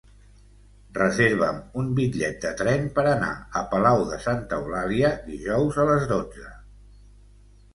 Reserva'm un bitllet de tren per anar a Palau de Santa Eulàlia dijous a les dotze.